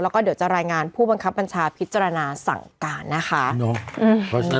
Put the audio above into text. แล้วก็เดี๋ยวจะรายงานผู้บังคับบัญชาพิจารณาสั่งการนะคะ